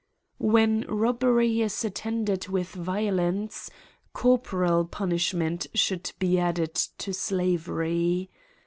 When robbery is attended with violence, cor poral punishment should bb added to slavery.